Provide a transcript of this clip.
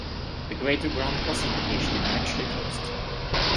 The Greater Grand Crossing location eventually closed.